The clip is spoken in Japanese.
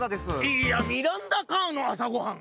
いやミランダ・カーの朝ごはん！